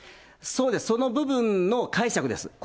そうです、その部分の解釈です。